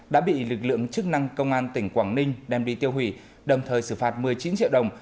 đã bị lực lượng chức năng công an tỉnh quảng ninh đem đi tiêu hủy đồng thời xử phạt một mươi chín triệu đồng